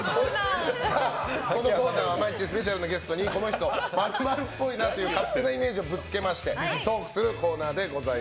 このコーナーは毎日スペシャルなゲストにこの人○○っぽいなという勝手なイメージをぶつけましてトークするコーナーです。